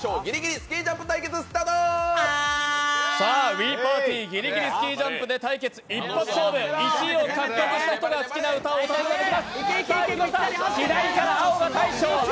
「ＷｉｉＰａｒｔｙ」「ぎりぎりスキージャンプ」で対決、一発勝負、１位を獲得した人が好きな歌を歌うことができます。